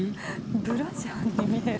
ブラジャーに見える。